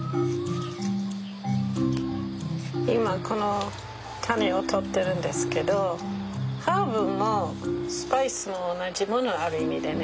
今このタネを取ってるんですけどハーブもスパイスも同じものある意味でね。